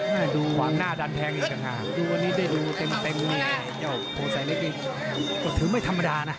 ประดับหน้าดันแพงที่เฉลี่ยงมา